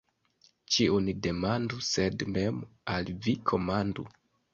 Ĉiun demandu, sed mem al vi komandu.